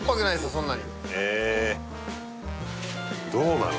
そんなにへえどうなの？